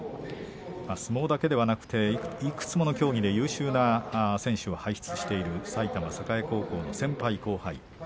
相撲だけではなくていくつもの競技で優秀な選手を輩出している埼玉栄高校の先輩後輩。